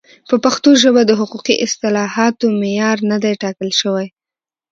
په پښتو ژبه د حقوقي اصطلاحاتو معیار نه دی ټاکل شوی.